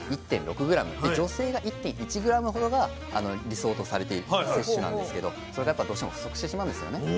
女性が１．１ｇほどが理想とされている摂取なんですけどそれがやっぱどうしても不足してしまうんですよね。